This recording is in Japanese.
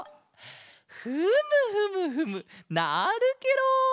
フムフムフムなるケロ！